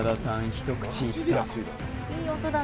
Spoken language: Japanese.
一口いった